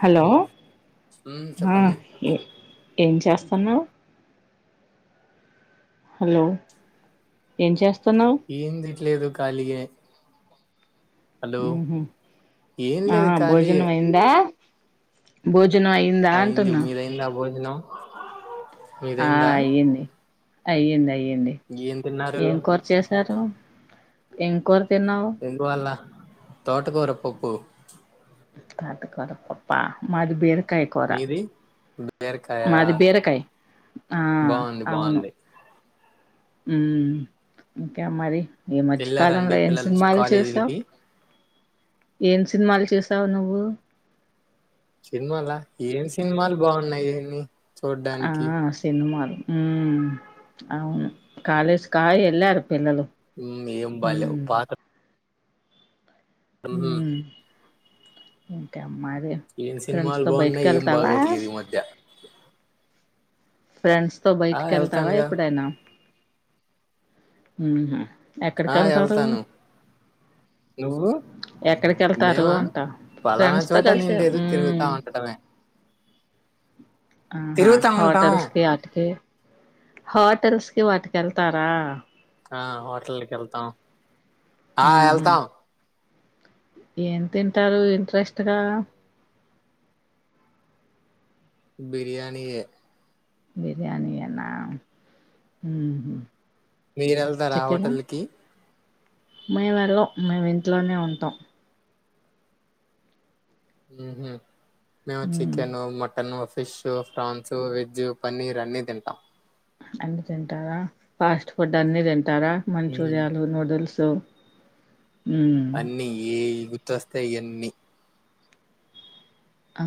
Hello ఉమ్ ఆ చెప్పండి ఏ ఏం చేస్తున్నావ్ హలో ఏం చెస్ ఏంది ఇట్లేదు ఖాళీనే హ్మ్ హ్మ్ ఏం లేదు ఖాళీయే భోజనం అయ్యిందా బోజ్ అయింది మీదయిందా ఆ భోజనం ఆ మీదయిందా అయ్యింది అయింది అయిం అయింది ఏం తిన్నారు ఏం కూర చేసారు ఎంకోర ఎందువల్ల తోటకూర పప్పు తోట కూర పప్పా మాది బీర కయ కూర మీది బీరకాయ మాది బీరకాయ ఆ బాగుంది అవును బాగుంది హ్మ్ ఇంకేం మరి ఈ మధ్యకాలంలో వెళ్ళారండి ఏం పిల్లలు సినిమాలు చూసావు కాలేజీలకి ఏం సినిమాలు చూసావు నువ్వు సినిమాలా ఏం సినిమాలు బావున్నాయి అని ఆ సినిమాలు ఉమ్మ్ అవును కాలేజ్ కా ఎళ్ళారు పిల్లలు ఉమ్మ్ ఏం బాలేవు మ్మ్ పా [unintelligible] హ్మ్ ఇంకా మరి ఏం ఫ్రెండ్స్ సినిమాలు తో బాగున్నాయి ఏం బైటికెళ్తావా బాగోట్లేదు ఈ మధ్య ఫ్రెండ్స్ తో ఆ బయటికెళ్తావా వెళ్తానుగా ఎప్పుడైనా ఉ హుమ్ ఆ ఎక్కడికెళ్తారు వెళ్తాను నువ్వు ఎక్కడికెళ్తారు మేమా? అంటా పలానా ఫ్రెండ్స్ తో చోట నేను కలిసి లేదు తిరుగుతా హ్మ్ ఉండటమే. ఆహా తిరుగుతా ఉంటాం. హోటల్స్ కి అటికీ హోటల్స్ కి వాటి కెళ్తారా ఆ హోటల్ కి ఎళ్తాం ఆ మ్మ్ హ్మ్ ఎళ్తాం ఏం తింటారు ఇంట్రెస్ట్ గా బిర్యానీయే బిర్యానీ ఏ నా ఊ హుమ్ మీరెళ్తారా హోటళ్ళు కి మే వెెళ్ళం మేం ఇంట్లోనే ఉంటాం ఊహు మేము మ్మ్ చికెను మటను ఫ్ ఫిష్ ఫ్రాన్సు వెజ్జ్ పన్నీర్ అన్నీ తింటాం అన్ని తింటావా ఫాస్ట్ ఫుడ్ అన్ని తిన్ టారా హ్మ్. మంచూరియాలు నూడుల్స్ తు అన్నీ ఏ ఇది తొస్తయి ఇయన్నీ ఆ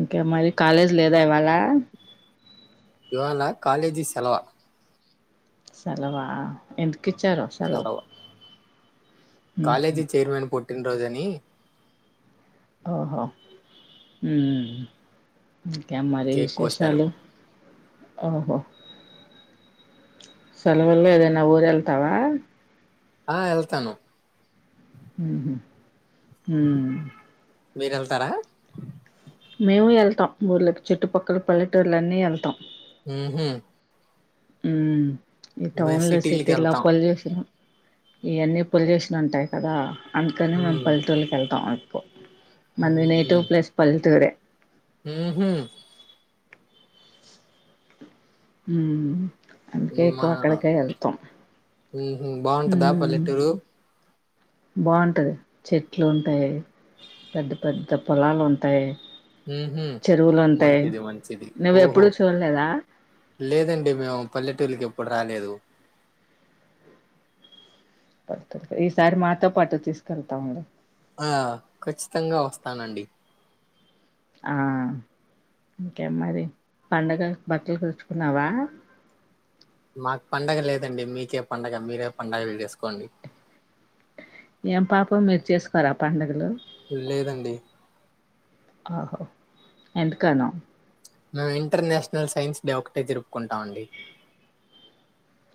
ఇంకా మరి కాలేజ్ లేదా ఇవాళ ఇవాళ కాలేజీ సెలవా సెలవా ఎందు కిచారో సెలవు మ్మ్ కాలేజీ చేర్మన్ పూట్ పుట్టినరోజు అని ఓహో ఉమ్ ఇంకేం మరి కేక్ కోశారు. విశేషాలు ఓహో సెలవుల్లో ఏదైన ఊరెళ్తావా ఆ ఎళ్తాను ఊహుం హ్మ్ మీరు ఎళ్తారా మేము ఎళ్తాం ఊర్ళకి చుట్టుపక్కల పల్లెటూర్ల అన్నీ ఎళ్తాం. ఊహుం ఉమ్ ఈ టౌన్ లో సిటీలో సిటీలకెళ్తాం. పొల్యూషన్ ఉ ఇయన్నీ పొల్యూషన్ ఉంటాయి కదా అందుకనే మేము హ్మ్ పల్లెటూళ్లకి ఎళ్తాం. పొ మంది నేటివ్ ప్లేస్ పల్లెటూరె ఊహుం మ్ మా ఉహుం బాగుంటదా పల్లెటూరు బాంటది చెట్లు ఉంటాయి. పెద్ద పెద్ద పొలాలు ఉంటాయి. హుహు చెరువులు ఉంటాయి మంచిది మంచిది నువ్వు ఓహో ఎప్పుడు చూడలేద లేదండి మేము పల్లెటూరికి ఎప్పుడు రాలేదు. ఈసారి మాతో పాటు తీసుకెళ్తాము. ఆ ఖచ్చితంగా వస్తానండి. ఆ ఇంకేం మరి పండగకు బట్టలు తెచ్చుకున్నావా మాకు పండగ లేదండి మీకే పండగ మీరే పండగలు చేసుకోండి. ఏం పాపం మీరు చేసుకోరా పండుగలు లేదండి. ఆహో ఎందుకనో మేము ఇంటర్నేషనల్ సైన్స్ డే ఒకటే జరుపుకుంటాం అండి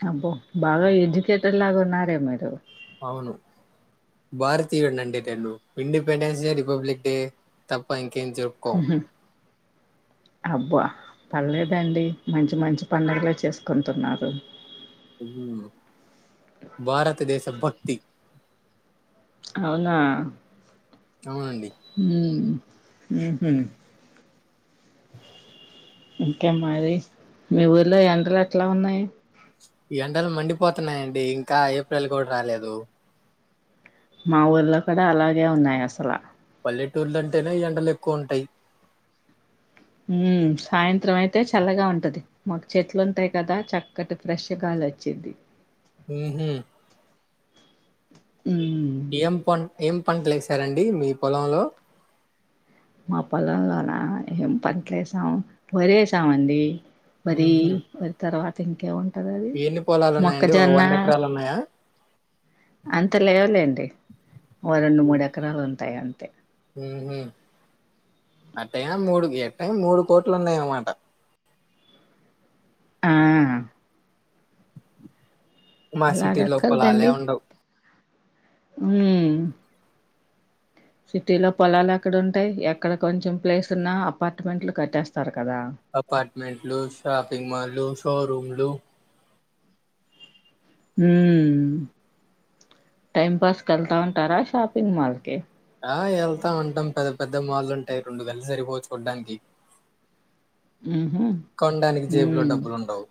అబ్బో బాగా ఎడ్యుకేటెడ్ లాగా ఉన్నారే మీరు అవును భారతీయుడిని అండి నేను ఇండిపెండెన్స్ డే రిపబ్లిక్ డే తప్ప ఇం ఏం జరుపుకొము ఉహు. అబ్బా పర్లేదండి మంచి మంచి పండుగలే చేసుకుంటున్నారు. ఊ... భారతదేశ భక్.. టి. అవునా. అవునండి హ్మ్. ఊహూ. ఇంకేం మరీ!? మీ ఊర్లో ఎండలు ఎట్లా ఉన్నాయి.? ఈ ఎండలు మండిపోతున్నాయండి ఇంకా ఏప్రిల్ గూడ్ రాలేదు. ! మా ఊర్లో కూడా అలాగే ఉన్నాయి అసల. పల్లెటూర్లంటేనే ఎండలెక్కువుంటాయ్. హ్మ్ సాయంత్రం అయితే చల్లగా ఉంటది. మాకు చెట్లు ఉంటాయి కదా చక్కటి ఫ్రెష్ గాలి ఒచ్చుద్ది. ఊహూ. ఉమ్ ఏం పన్.. ఏం పంట్లేసారండీ మీ పొలంలో? మా పొలంలోనా... ఏం పంట్లెసం! వరేసామండి. వరీ హుహు. వరి తర్వా.. తింకా ఉన్.. ఎన్ని పొలాలున్నాయండి? ఓ మొక్కజొన్న. ఎకరాలున్నాయా? అంత లేవులేండి ఓ రెండు, మూడు ఎకరాలు ఉంటాయి అంతే. హుహు. అట్టయినా మూడు ఎట్టాన్ మూడు కోట్లు ఉన్నాయమాట. ! ఆఅ. మా సిటీలో పొలాలే ఉండవు. ఊ... సిటీలో పొలాలెక్కడుంటాయి, ఎక్కడ కొంచెం ప్లేస్ ఉన్నా అపార్ట్మెంట్లు కట్టేస్తారు. కదా అపార్ట్మెంట్లు, షాపింగ్ మాల్లు, షోరూమ్ల్. లూ. ఊ.. టైమ్ పాస్ కెల్తా ఉంటారా షాపింగ్ మల్కీ.? ! ఆ ఎళ్తా ఉంటాం పెద్ద పెద్ద మాళ్ళుంటాయి రెండు గళ్ళు సరిపోవు చూడ్డానికి. ఊహూ. కొనడానికి జేబులో ఊ.. డబ్బులుండవు.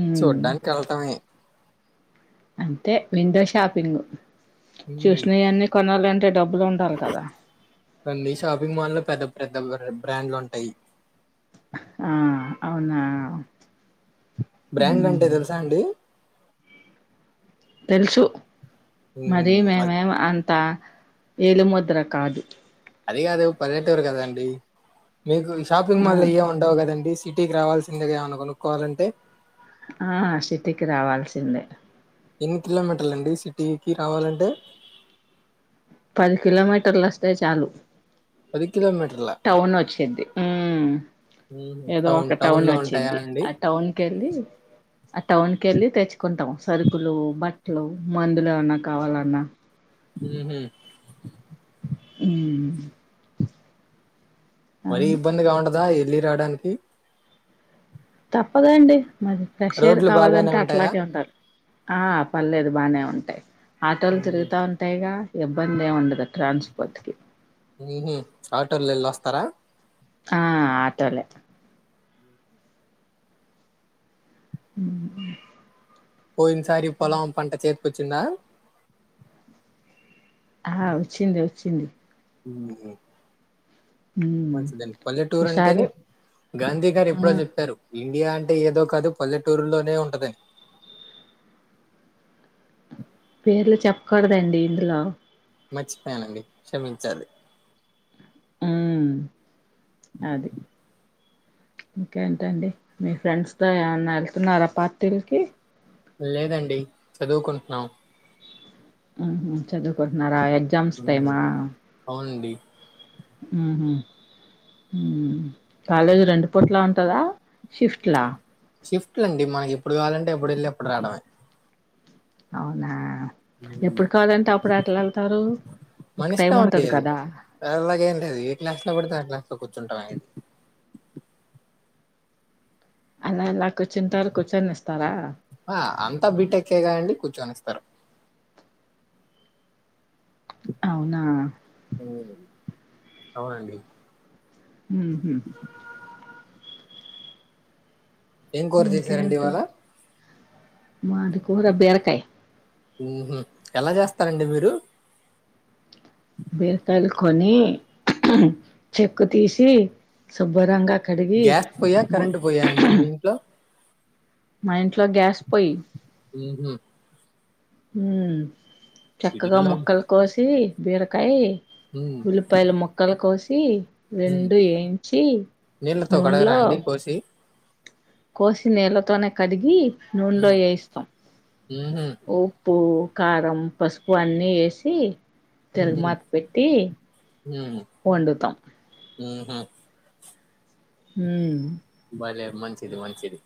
ఉమ్ చూడ్డానికెల్టమె. అంటే విండో షాపింగ్. చూసినయన్నీ కొనాలన్.. టె డబ్... అండి షాపింగ్ మల్ లో పెద్ద.. పెద్ద బ్రా బ్రాండ్లుంటాయ్. ఆ అవునా. ! బ్రాండ్ అంటే తెలుసా అండి!? తెలుసు. మరీ మేమేం అంత. ఏలుముద్ర కాదు. అది గాదు పల్లెటూరు కదా అండి. మీకు ఈ షాపింగ్ ఆ మాల్ అయ్యేం ఉండవు కదండి. సిటీకి రావాల్సిందేగా ఏమన్న కొనుక్కోవాలంటే. ఆ సిటీకి రావాల్సిందే. ఎన్ని కిలోమీటర్లండి సిటీకి రావాలంటే. పది కిలోమీటర్లొస్తే చాలు. పది కిలోమీటర్ల టౌన్ వచ్చిద్ది. ఉమ్మ్ మ్మ్. ఏదో ఒక టౌన్ లో ఉంటాయా వచ్చిద్ది అండి ఆ టౌన్ కెళ్ళీ ఆ టౌన్కి ఎళ్ళి తెచ్చుకుంటాం సరుకులూ, బట్లూ, మందులు ఏవన్న కావాలన్నా. ఊహు ఉమ్ మరీ ఇబ్బంది గా ఉండదా ఎల్లీ రావడానికి. తప్పదండి. మరి ప్రెష్ ఎయిర్ రోడ్లు బాగానే కావాలంటే ఉంటాయా అట్లాగే ఉండాలి. ఆ పర్లేదు బానే ఉంటాయ్. ఆటోలు మ్మ్. తిరుగుతా ఉంటాయిగా. ఇబ్బంది ఏం ఉండదు ట్రాన్స్పోర్ట్ కి. ఊహు ఆటోలో ఎళ్ళి వస్తారా. ఆ ఆటోలే ఊహు పోయిన్ సారి పొలం పంట చేత్ కొచ్చిందా అహా వచ్చింది వచ్చింది. ఉ హ్మ్. మంచిదండి. పల్లెటూరు అంటేనే ఈసారి గాంధీ గారు ఆ! ఎప్పుడో చెప్పారు. ఇండియా అంటే ఏదో కాదు పల్లెటూరులోనే ఉంటదని. పేర్లు చెప్పకూడదండి ఇందులో. మర్చిపోయానండి క్షమించాలి. ఉమ్ అది. ఇంకేంటండి, మీ ఫ్రెండ్స్తో ఏమన్నా ఎళ్తున్నారా పార్టీల్కి. లేదండి చదువుకుంటున్నాం. ఊహు చదువుకుంటున్నారా ఎగ్ జామ్స్ ఉమ్, టైమా. అవునండి ఊహు ఊ. కాలేజీ రెండు పూట్లా ఉంటందా షిఫ్ట్ లా. షిఫ్ట్లు అండి మాయి ఎప్పుడు కావాలంటే అప్పుడు ఎళ్ళి అప్పుడు రావడమే. అవునా. ఎప్పుడు కావాలంటే అప్పుడు అట్లా వెళ్తారు ఒక టైం మనిష్టం అండి ఉంటది అది. కదా అలాగేం లేదు ఏ క్లాస్ లో పడితే ఆ క్లాస్ లో కూర్చ్ ర్చుంటాం హాయ్యండి. అలా లక్ ఆ అంతా బిట్టెక్కేగా అండి కూర్చోని ఇస్తారు అవునా అవునండి మ్ హు ఏం కూర చేశారండి ఇంకేంటి ఇవాళ మాది కూర బిరకాయ ఎలా చేస్తారండి మీరు బీరకాయలు కొని చెక్కు తీసి శుభరంగా గ్యాస్ పోయా కరెంట్ పోయా అండి మీ ఇంట్లో మా ఇంట్లో గ్యాస్ పోయి ఉహు మ్ చక్కగా ఇడ్లీలో ముక్కలు కోసి బిరకాయి ఉమ్ ఉల్లిపాయల ముొక్కల కోసి సి ఉమ్ రెండు వేయించి నీళ్ళతో కడగరా నూనెలో అండి కోసి కోసి నీళ్లతోనే కడిగి నూనెలో ఉమ్ వేయిస్తాం ఉహు ఉప్పు కారం పసుపు అన్నీ ఎసి తెలుగు ఉహు మాత పెట్టి వండుతాం హహ మ్ వళ మంచిది మంచిది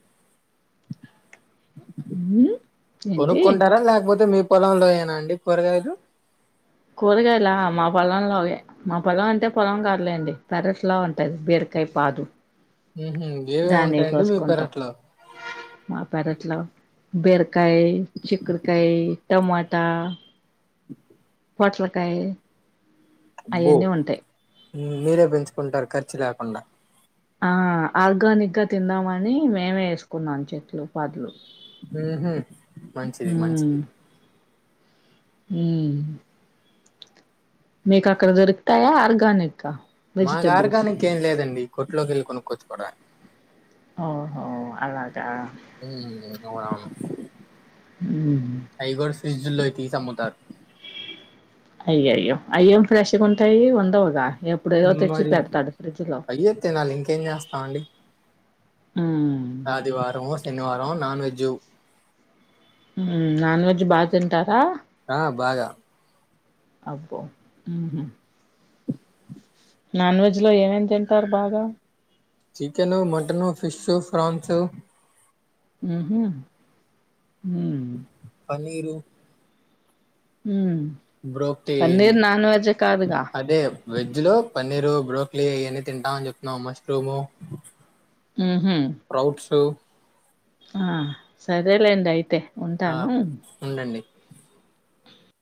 ఏంటి కొనుకుంటారా లేకపోతే మీరు పొలంలో ఏనా అండి కూరగాయలు కూరగాయలా మా పొలంలోహె, మా పొలం అంటే పొలం కాదులేండి పెరట్లా ఉంటది, బీరకాయ పాదు మ్ హు ఏవేవి దాన్ని ఉంటాయండి మీ కోసుకుంటాం పెరట్లో మా పెరట్లో బిరకాయ చికుడుకాయి టమాటా ఆ పోట్లకాయి అబ్బో అయన్నీ ఉంటాయి మీరే పెంచుకుంటారు ఖర్చు రాకుండా ఆ ఆర్గానిక్ గా తిందామని మేమే వేసుకున్నాం చెట్లు పదులు మ్ హు మంచిది మంచిది అ మీకా అక్కడ దొరుకుతాయా ఆర్గనిక్ గా మాకు ఆర్గానిక్ ఏం లేదండి కొట్లోకి వెళ్ళి కొనుక్కొవచ్చు కోవడమే ఓహో అలాగా ఉ అవును అవును అ ఫ్రిడ్జ్ లో తీసి అమ్ముతారు అయ్యో అయ్యో అయ్యోం ఫ్రెష్గా ఉంటాయి వండవగా మరి అయ్య తినాలి ఇంకేం చేస్తాం అండి హ్మ్ ఆదివార శనివారం నాన్ వెెజ్ జ నాన్ వెజ్ బా తింటారా ఆ బాగా అబో నాన్ వెజ్ లో ఏమేమి తింటారు బాగా చికెన్ మటన్ ఫిష్ ప్రాన్స్ ఉహు ఉ పన్నీరు హ బ్రోక్లీ పన్నీర్ ఇయన్ని నన్ వెజ కాదుగా అదే వెజ్ లో పన్నీరు బ్రోక్లీ ఇవీ తింటామని చెప్తున్నాం మష్రూము ఉహూ. ప్రౌట్స్ ఆ సరే లెండి అయితే ఆ ఉంటాను. ఉండండి